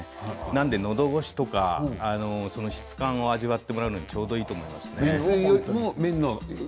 なのでのど越しとか質感を味わってもらえるのがちょうどいいと思います。